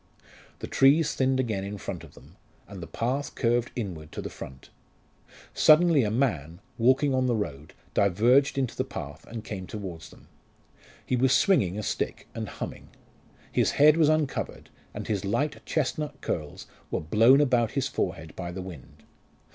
The trees thinned again in front of them, and the path curved inward to the front. Suddenly a man, walking on the road, diverged into the path and came towards them. He was swinging a stick and humming. His head was uncovered, and his light chestnut curls were blown about his forehead by the wind.